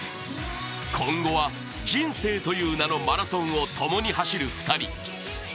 今後は人生という名のマラソンを共に走る２人。